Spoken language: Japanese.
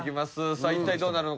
さあ一体どうなるのか？